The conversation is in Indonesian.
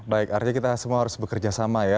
baik artinya kita semua harus bekerja sama ya